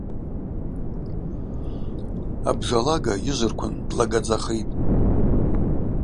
Абжалага йыжвырквын длагадзахитӏ.